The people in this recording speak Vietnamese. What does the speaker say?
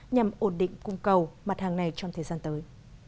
nhằm ổn định cung cầu mặt hàng này trong thời gian tới